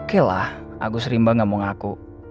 oke lah agus rimba gak mau ngaku